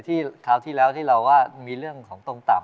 คราวที่แล้วที่เราว่ามีเรื่องของตรงต่ำ